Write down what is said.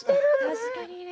確かにね。